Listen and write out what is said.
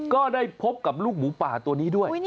ก็ได้พบกับลูกหมูป่าตัวนี้ด้วย